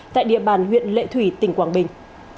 tại địa bàn huyện lệ thủy tỉnh quảng bình